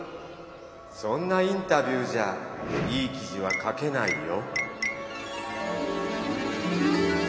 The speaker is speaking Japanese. そんなインタビューじゃいい記事は書けないよ。